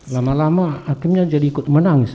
lama lama akhirnya jadi ikut menangis